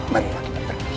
mari kita pergi